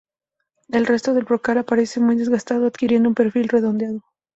El resto del brocal aparece muy desgastado, adquiriendo un perfil redondeado.